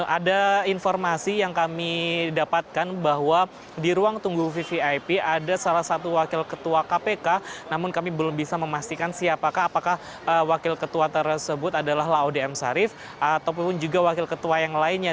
ada informasi yang kami dapatkan bahwa di ruang tunggu vvip ada salah satu wakil ketua kpk namun kami belum bisa memastikan siapakah apakah wakil ketua tersebut adalah laude m syarif ataupun juga wakil ketua yang lainnya